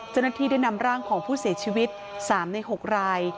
เจ้าหน้าที่ได้นำร่างของผู้เสียชีวิต๓ใน๖ราย